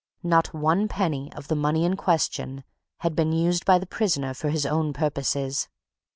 Not one penny of the money in question had been used by the prisoner for his own purposes.